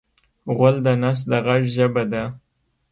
غول د نس د غږ ژبه ده.